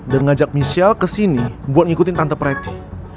dan ngajak michelle kesini buat ngikutin tante pretty